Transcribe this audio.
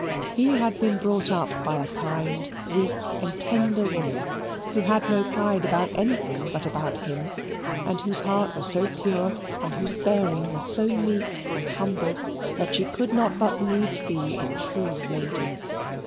He had been brought up by a kind, weak, and tender woman, who had no pride about anything but about him, and whose heart was so pure and whose bearing was so meek and humble that she could not but needs be a true lady.